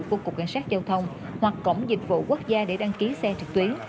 của cục cảnh sát giao thông hoặc cổng dịch vụ quốc gia để đăng ký xe trực tuyến